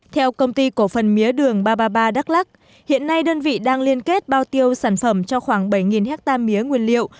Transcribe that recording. theo công ty cổ phần mía đường ba trăm ba mươi ba đắk lắc hiện nay đơn vị đang liên kết bao tiêu sản phẩm cho khoảng bảy hectare mía nguyên liệu